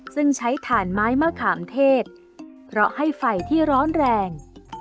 ซึ่งใช้ถ่านไม้มะขามเทศเพราะให้ไฟที่ร้อนแรง